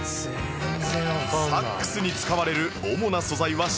サックスに使われる主な素材は真鍮